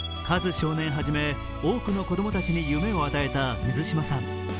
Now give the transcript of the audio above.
カズ少年はじめ多くの子供たちに夢を与えた水島さん。